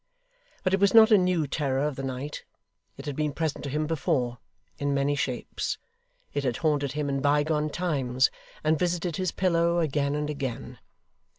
But it was not a new terror of the night; it had been present to him before, in many shapes; it had haunted him in bygone times, and visited his pillow again and again.